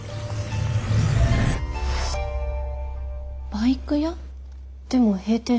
バイク屋？でも閉店してる。